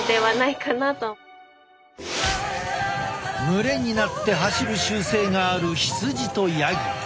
群れになって走る習性がある羊とヤギ。